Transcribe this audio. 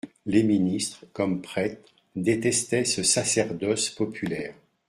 Les ministres, comme prêtres, détestaient ce sacerdoce populaire.